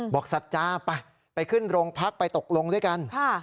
สัจจาไปไปขึ้นโรงพักไปตกลงด้วยกัน